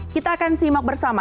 kita akan simak bersama